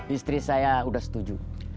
istri saya udah setuju